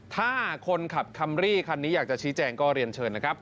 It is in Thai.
ถ้าคนขับคัมรี่คันนี้อยากจะชี้แจงก็เรียนเชิญนะครับ